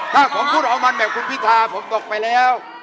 ถ้าผมพูดออกมาแบบคุณพิธาผมตกไปแล้ว